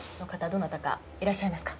どなたかいらっしゃいますか？